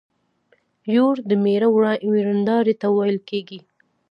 يور د مېړه ويرنداري ته ويل کيږي.